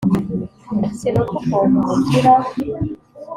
Sinumva ukuntu Rugira